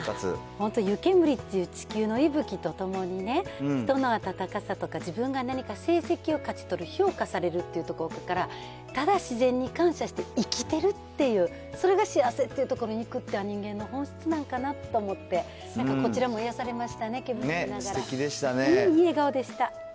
本当、湯煙っていう地球の息吹とともに人の温かさとか、自分が何か成績を勝ち取る、評価されるっていうところから、ただ自然に感謝して生きてるっていう、それが幸せっていうところにいくっていうのは人間の本質なんかなと思って、なんかこちらも癒やされましたね、きょう見ながら。